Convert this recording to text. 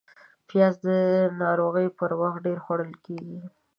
پیاز د ناروغۍ پر وخت ډېر خوړل کېږي